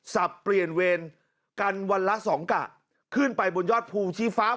สับเปลี่ยนเวรกันวันละสองกะขึ้นไปบนยอดภูชี้ฟ้า